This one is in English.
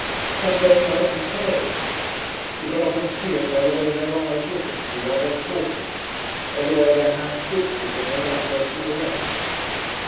Some don't know it themselves; you can often only see it by the way their eyes look at you while they're talking, or the way their hand twitches when they light their cigarette....'